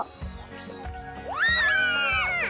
うわ！